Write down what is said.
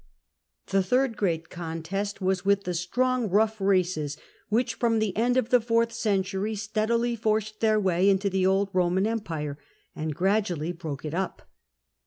The third great contest was with the strong, rough races which from the end of the fourth century steadily forced their way into the old Roman empire, and gradually broke it up.